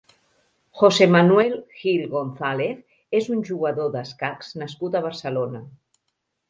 José Manuel Gil González és un jugador d'escacs nascut a Barcelona.